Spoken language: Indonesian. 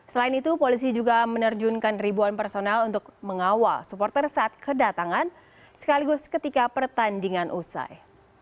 selain itu polisi juga menerjunkan ribuan personel untuk mengawal supporter saat kedatangan sekaligus ketika pertandingan usai